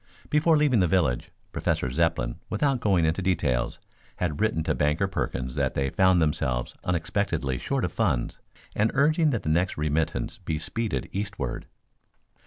Before leaving the village, Professor Zepplin, without going into details, had written to Banker Perkins that they found themselves unexpectedly short of funds, and urging that the next remittance be speeded eastward.